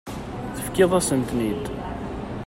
Tefkiḍ-asen-ten-id.